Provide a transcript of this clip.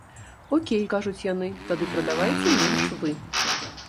Окей, кажуць яны, тады прадавайце менш вы.